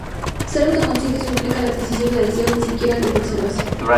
Ser autoconsciente no implica la adquisición de deseos, ni siquiera el de preservación.